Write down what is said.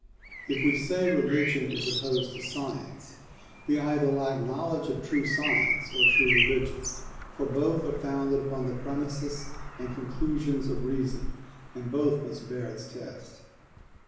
If we say religion is opposed to science we either lack knowledge of true science or true religion, for both are founded upon the premises and conclusions of reason and both must bear its test.